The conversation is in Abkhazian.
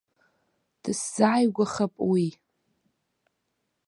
Дысзааигәахап уи.